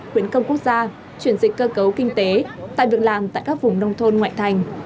khuyến công quốc gia chuyển dịch cơ cấu kinh tế tạo việc làm tại các vùng nông thôn ngoại thành